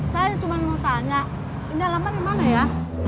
saya cuma mau tanya indah lampanya mana ya